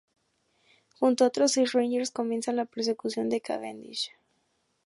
Junto a otros seis Rangers comienzan la persecución de Cavendish.